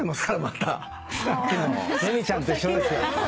れにちゃんと一緒ですよ。